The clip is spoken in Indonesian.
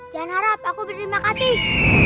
jangan harap aku berterima kasih